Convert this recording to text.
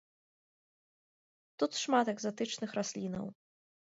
Тут шмат экзатычных раслінаў.